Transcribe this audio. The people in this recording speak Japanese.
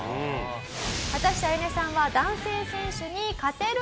果たしてアヤネさんは男性選手に勝てるのか！？